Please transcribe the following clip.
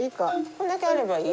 こんだけあればいい？